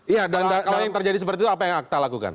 iya dan kalau yang terjadi seperti itu apa yang akta lakukan